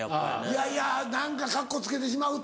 いやいや何かカッコつけてしまうとか。